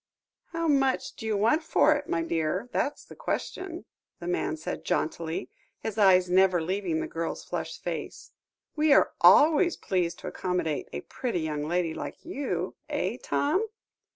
"How much do you want for it, my dear, that's the question?" the man said jauntily, his eyes never leaving the girl's flushed face; "we are always pleased to accommodate a pretty young lady like you, eh, Tom?"